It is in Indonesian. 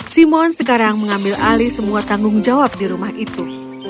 simon sekarang mengambil alih semua tanggung jawab di rumah itu